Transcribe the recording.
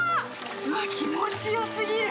うわ、気持よすぎる。